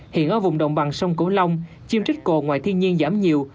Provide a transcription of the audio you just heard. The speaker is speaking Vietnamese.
hiện ở vùng đồng bằng sông cổ long chim trích cổ ngoài thiên nhiên giảm nhiều